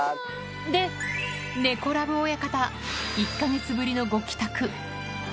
で、猫ラブ親方、１か月ぶりのご帰宅。